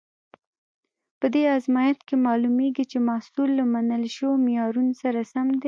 په دې ازمېښت کې معلومیږي چې محصول له منل شویو معیارونو سره سم دی.